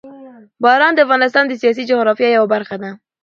باران د افغانستان د سیاسي جغرافیه یوه برخه ده.